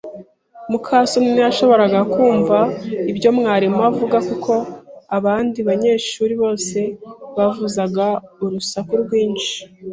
muka soni ntiyashoboraga kumva ibyo mwarimu avuga kuko abandi banyeshuri bose bavuzaga urusaku rwinshi.